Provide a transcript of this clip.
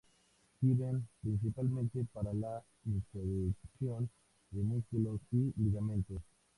Sirven principalmente para la inserción de músculos y ligamentos.